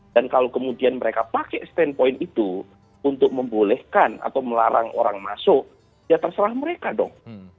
dan kalau kemudian mereka pakai standpoint itu untuk membolehkan atau melarang orang masuk ya terserah mereka dong